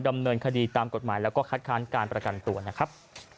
ดำเนินคดีตามกฎหมายแล้วก็คัดค้านการประกันตัวนะครับ